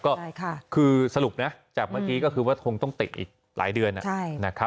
ก็คือสรุปนะจากเมื่อกี้ก็คือว่าคงต้องติดอีกหลายเดือนนะครับ